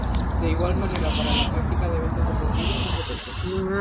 De igual manera para la práctica de eventos deportivos bajo techo.